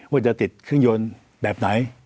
ว่าจะติดเครื่องยนต์แบบไหน